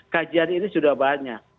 kajian ini sudah banyak